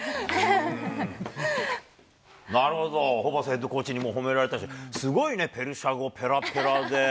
なるほど、ホーバスヘッドコーチにも褒められたし、すごいね、ペルシャ語ペラペラで。